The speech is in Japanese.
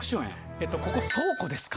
えっとここ倉庫ですか？